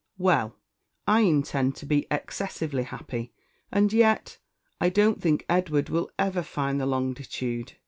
"Well, I intend to be excessively happy; and yet, I don't think Edward will ever find the longitude.